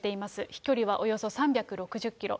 飛距離はおよそ３６０キロ。